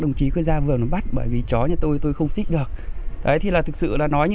đồng chí cứ ra vườn bắt bởi vì chó nhà tôi tôi không xích được đấy thì là thực sự là nói như